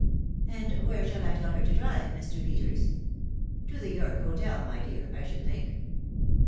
" And where shall I tell her to drive, Mr. Peters ?"" To the York Hotel, my dear, I should think."